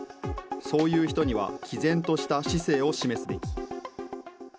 そういう人にはきぜんとした市政を示すべき。